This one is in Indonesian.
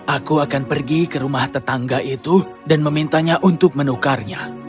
aku akan pergi ke rumah tetangga itu dan memintanya untuk menukarnya